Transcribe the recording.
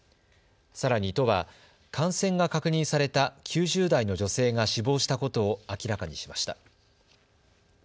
さらに都は感染が確認された９０代の女性が死亡したことを明らかにしました。